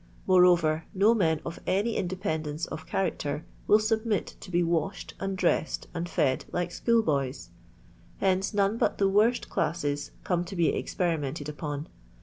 Moreover, no men of any independence of character will submit to be washed, and dressed, and fed like schoolboys; hence none but the worst classes come to be experimented upon.